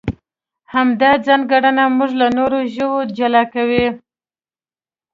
همدا ځانګړنه موږ له نورو ژوو جلا کوي.